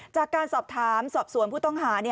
จากการสอบถามสอบสวนผู้ต้องหา